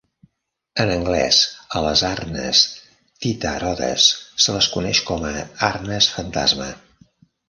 En anglès, a les arnes Thitarodes se les coneix com a "arnes fantasma".